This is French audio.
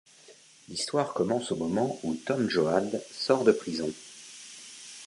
L'histoire commence au moment où Tom Joad sort de prison.